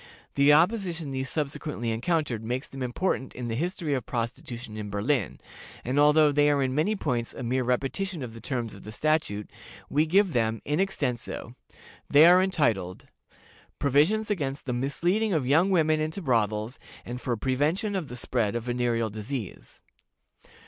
The opposition these subsequently encountered makes them important in the history of Prostitution in Berlin, and although they are in many points a mere repetition of the terms of the statute, we give them in extenso. They are entitled, "PROVISIONS AGAINST THE MISLEADING OF YOUNG WOMEN INTO BROTHELS, AND FOR PREVENTION OF THE SPREAD OF VENEREAL DISEASE.